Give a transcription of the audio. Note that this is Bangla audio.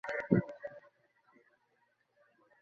মিঃ ব্লুম কি ওখানে আছেন?